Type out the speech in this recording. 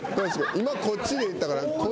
今こっちでいったから。